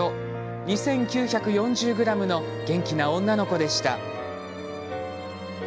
２９４０ｇの元気な女の子でした。